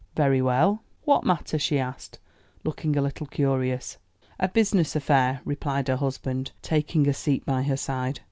"Very well." "What matter?" she asked, looking a little curious. "A business affair," replied her husband, taking a seat by her side.